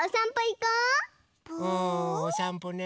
うんおさんぽね。